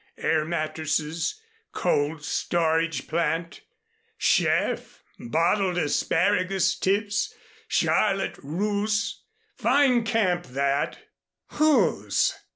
Air mattresses, cold storage plant, chef, bottled asparagus tips, Charlotte Russe fine camp that!" "Whose?"